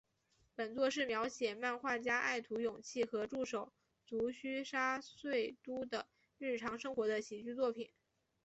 本作是描写漫画家爱徒勇气和助手足须沙穗都的日常生活的喜剧作品。